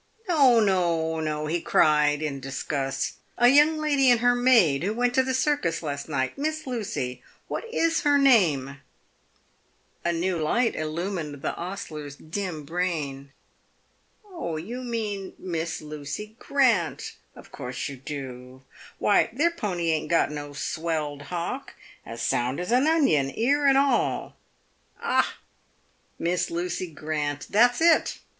" JSTo, no," he cried, in disgust ;" a young lady and her maid who went to the circus last night; Miss Lucy what is her name ?" A new light illumined the ostler's dim brain. " You mean Miss Lucy Grant — of course you do. "Why, their pony ain't got no swelled hock. As sound as a onion, ear and all." —" Ah ! Miss Lucy Grant — that's it